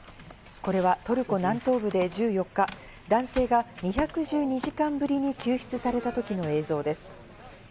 これはトルコ南東部で１４日、男性が２１２時間ぶりに救出された時の映像です。